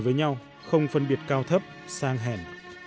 với nhau không phân biệt cao thấp sang hèn